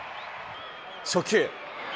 初球。